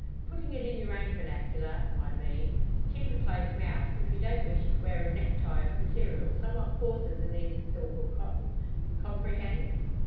Putting it in your own vernacular, I mean: keep a close mouth, if you don't wish to wear a necktie of material somewhat coarser than either silk or cotton. You comprehend?"